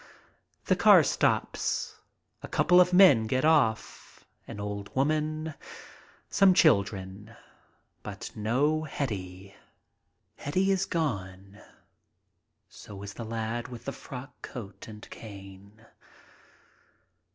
The car stops. A couple of men get off. An old woman. Some children. But no Hetty. Hetty is gone. So is the lad with the frock coat and cane.